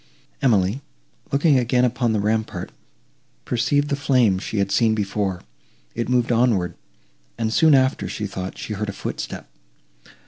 Emily, looking again upon the rampart, perceived the flame she had seen before; it moved onward; and, soon after, she thought she heard a footstep.